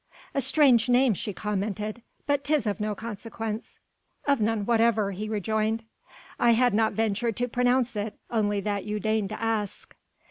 "A strange name," she commented, "but 'tis of no consequence." "Of none whatever," he rejoined, "I had not ventured to pronounce it, only that you deigned to ask."